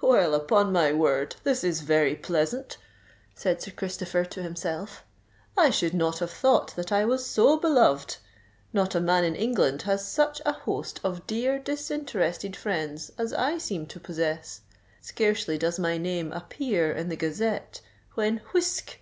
"Well, upon my word, this is very pleasant," said Sir Christopher to himself: "I should not have thought that I was so beloved! Not a man in England has such a host of dear, disinterested friends as I seem to possess. Scarcely does my name appear in the Gazette, when—whisk!